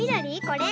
これ？